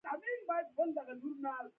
کېله د کولمو ستونزو ته ښه ده.